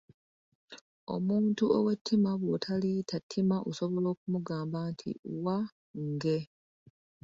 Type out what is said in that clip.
Omuntu ow’ettima bw'otaliyita ttima, osobola okumugamba nti wa nge.